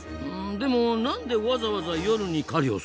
でも何でわざわざ夜に狩りをするの？